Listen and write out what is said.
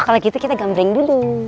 kalau gitu kita gambling dulu